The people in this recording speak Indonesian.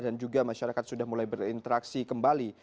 juga masyarakat sudah mulai berinteraksi kembali